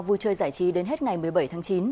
vui chơi giải trí đến hết ngày một mươi bảy tháng chín